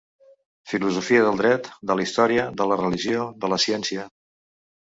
Filosofia del dret, de la història, de la religió, de la ciència.